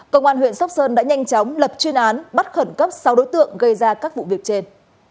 công an huyện sóc sơn đã nhanh chóng lập chuyên án bắt khẩn cấp sáu đối tượng gây ra các vụ việc trên